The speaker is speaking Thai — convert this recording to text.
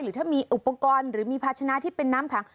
หรือถ้ามีอุปกรณ์หรือมีภาชนะที่เป็นน้ำขัง